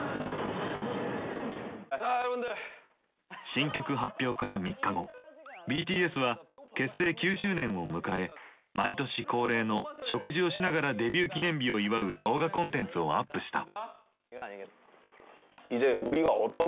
新曲発表から３日後ＢＴＳは結成９周年を迎え毎年恒例の食事をしながらデビュー記念日を祝う動画コンテンツをアップした。